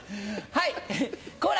はい。